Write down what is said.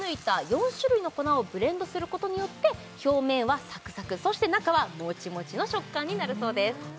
４種類の粉をブレンドすることによって表面はサクサクそして中はもちもちの食感になるそうです